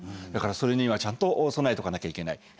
だからそれにはちゃんと備えておかなきゃいけない。